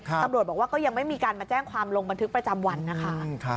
ตำรวจบอกว่าก็ยังไม่มีการมาแจ้งความลงบันทึกประจำวันนะคะ